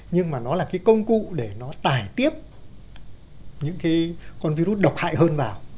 nhưng mà nó là cái công cụ để nó tải tiếp những cái con virus độc hại hơn vào